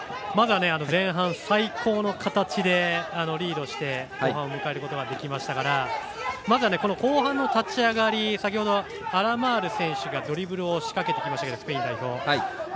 前半最高の形でリードして後半を迎えることができましたからまずは後半の立ち上がり先ほど、アラマル選手がドリブル仕掛けきました。